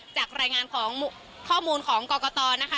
จากรายงานของข้อมูลของกรกตนะคะ